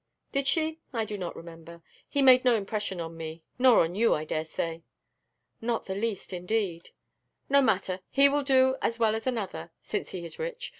_'" "Did she? I do not remember. He made no impression on me, nor on you, I dare say." "Not the least, indeed." "No matter, he will do as well as another, since he is rich.